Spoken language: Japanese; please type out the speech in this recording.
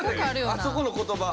あそこの言葉。